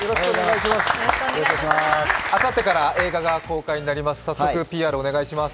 あさってから映画が公開になります。